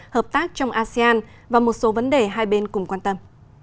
hợp tác trong asean và một số vấn đề hai bên cùng quan tâm